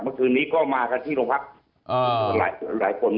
ยังไงครับท่านรองครับขออนุญาตช่วยรบกลุ่น